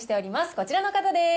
こちらの方です。